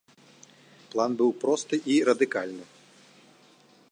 План быў просты і радыкальны.